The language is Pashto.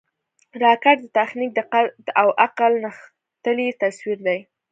راکټ د تخنیک، دقت او عقل نغښتلی تصویر دی